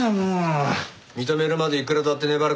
認めるまでいくらだって粘るからな。